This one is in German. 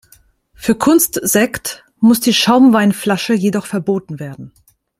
Für Kunstsekt muss die Schaumweinflasche jedoch verboten werden.